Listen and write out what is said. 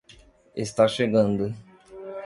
Está chegando.